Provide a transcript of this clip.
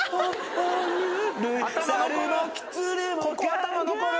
頭残る。